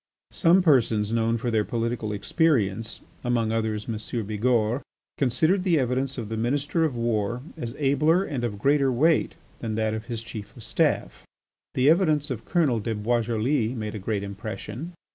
Some persons known for their political experience, among others M. Bigourd, considered the evidence of the Minister of War as abler and of greater weight than that of his Chief of Staff. The evidence of Colonel de Boisjoli made a great impression.